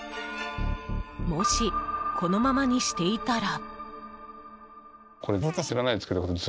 もし、このままにしていたら。